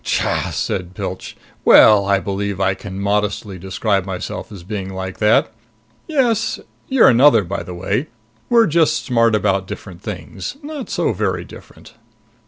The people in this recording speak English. "Tcha!" said Pilch. "Well, I believe I can modestly describe myself as being like that. Yes. You're another, by the way. We're just smart about different things. Not so very different."